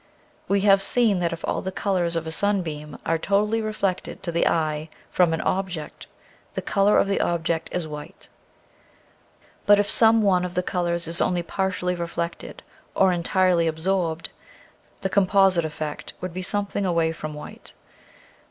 We have seen that if all the colors of a sun beam are totally reflected to the eye from an object, the color of the object is white. But if some one of the colors is only partially re flected or entirely absorbed, the composite ef / I . Original from UNIVERSITY OF WISCONSIN Color. 189 feet would be something away from white.